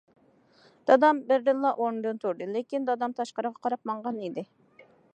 دادام بىردىنلا ئورنىدىن تۇردى، لېكىن دادام تاشقىرىغا قاراپ ماڭغان ئىدى.